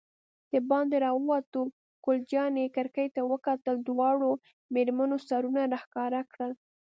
دباندې راووتو، ګل جانې کړکۍ ته وکتل، دواړو مېرمنو سرونه را ښکاره کړل.